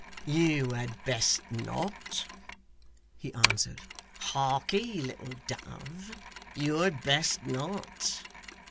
'You had best not,' he answered. 'Harkye, little dove, you had best not.